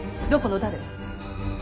どこの誰。